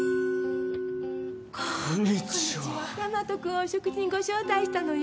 ヤマト君をお食事にご招待したのよ。